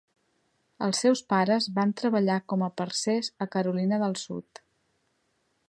Els seus pares van treballar com a parcers a Carolina del Sud.